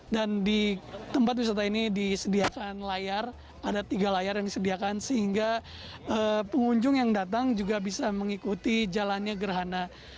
dan di tempat wisata ini disediakan layar ada tiga layar yang disediakan sehingga pengunjung yang datang juga bisa mengikuti jalannya gerhana